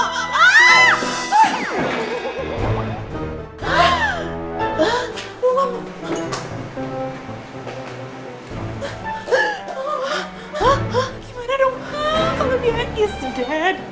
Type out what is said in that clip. hah gimana dong kalau dia is dead